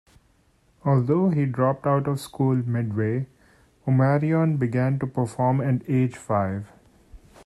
Although he dropped out of school midway, Omarion began to perform at age five.